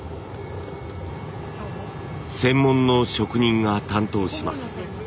専門の職人が担当します。